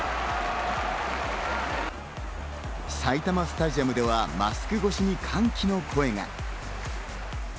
埼玉スタジアムではマスク越しに歓喜の声が。